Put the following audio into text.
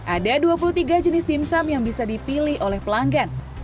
ada dua puluh tiga jenis dimsum yang bisa dipilih oleh pelanggan